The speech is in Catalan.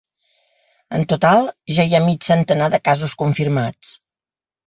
En total ja hi ha mig centenar de casos confirmats.